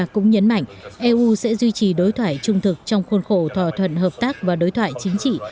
cũng nhấn mạnh eu sẽ duy trì đối thoại trung thực trong khuôn khổ thỏa thuận hợp tác và đối thoại chính trị